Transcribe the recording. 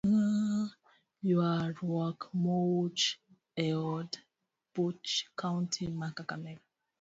Yuaruok omuoch eod buch Kaunti ma kakamega.